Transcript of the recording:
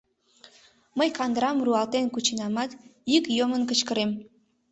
Мый кандырам руалтен кученамат, йӱк йомын кычкырем: